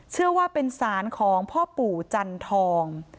เชื่อว่าเป็นสารของพ่อปู่จันทอง